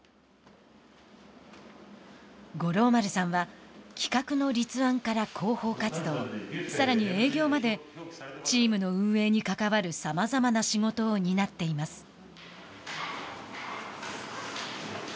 五郎丸さんは企画の立案から広報活動さらに営業までチームの運営に関わるさまざまな仕事を担っています。